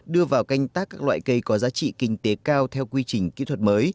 đưa vào canh tác các loại cây có giá trị kinh tế cao theo quy trình kỹ thuật mới